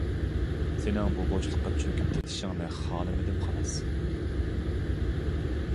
سېنىڭ بۇ بوشلۇققا چۆكۈپ كېتىشىڭنى خالىمىدىم خالاس.